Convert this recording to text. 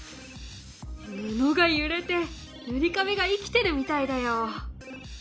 布が揺れてぬりかべが生きてるみたいだよ！